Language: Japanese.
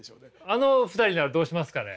あの２人ならどうしますかね？